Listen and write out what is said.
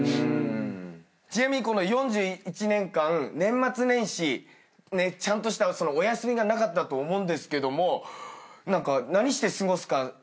ちなみにこの４１年間年末年始ちゃんとしたお休みがなかったと思うんですけども何して過ごすか予定ってあったりします？